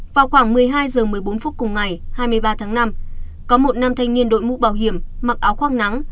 vào khoảng một mươi hai h một mươi bốn phút cùng ngày hai mươi ba tháng năm có một nam thanh niên đội mũ bảo hiểm mặc áo khoác nắng